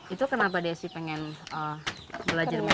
itu kenapa desi pengen belajar musik